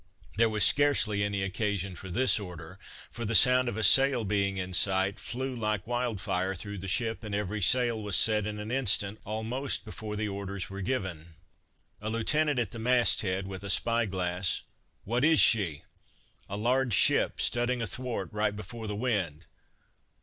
There was scarcely any occasion for this order, for the sound of a sail being in sight flew like wild fire through the ship and every sail was set in an instant almost before the orders were given. A lieutenant at the mast head, with a spy glass, "What is she?" "A large ship studding athwart right before the wind.